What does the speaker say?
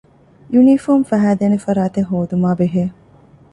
ޔުނީފޯމު ފަހައިދޭނެ ފަރާތެއް ހޯދުމާ ބެހޭ